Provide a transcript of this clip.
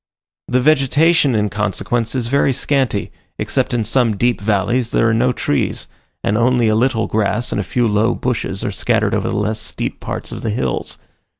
The vegetation in consequence is very scanty: except in some deep valleys, there are no trees, and only a little grass and a few low bushes are scattered over the less steep parts of the hills.